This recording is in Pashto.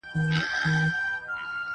• چي په ښار او په مالت کي څه تیریږي -